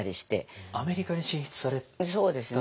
アメリカに進出された。